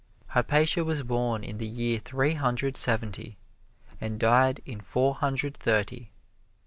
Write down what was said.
Hypatia was born in the year Three Hundred Seventy, and died in Four Hundred Thirty.